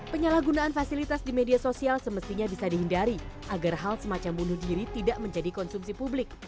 penyalahgunaan fasilitas di media sosial semestinya bisa dihindari agar hal semacam bunuh diri tidak menjadi konsumsi publik